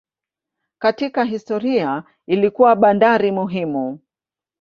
Katika historia ilikuwa bandari muhimu.